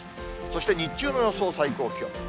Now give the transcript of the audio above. そして日中の予想最高気温。